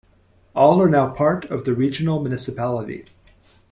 All are now part of the Regional Municipality.